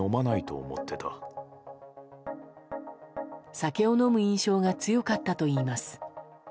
酒を飲む印象が強かったといいます。